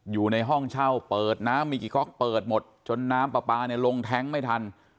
อยู่ในห้องเช่าเปิดน้ำมีกี่ก๊อกเปิดหมดจนน้ำปลาปลาเนี่ยลงแท้งไม่ทัน